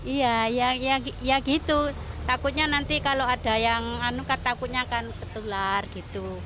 iya ya gitu takutnya nanti kalau ada yang takutnya akan ketular gitu